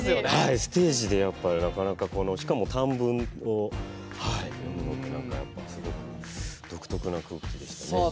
ステージでなかなかしかも短文を読むのってすごく独特な空気でしたね。